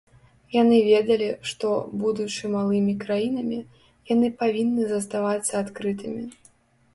Яны ведалі, што, будучы малымі краінамі, яны павінны заставацца адкрытымі.